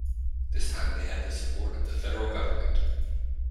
This time they had the support of the Federal Government.